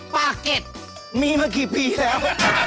ปากเก็ตมีมากี่ปีแล้ว